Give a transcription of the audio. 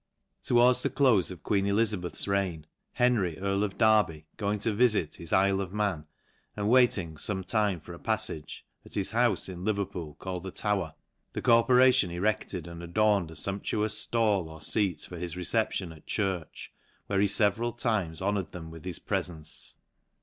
Towards the clofe of queen Elizabeth's reign, Henry earl of Derby going to vifit his lJle of Man, and waiting fome time for a pafTage, at his houfe in Leverpool called the Tower, the corporation erected and adorned a fumptuous ftall or feat for his recep tion at church, where he feveral times honoured them with his prefence.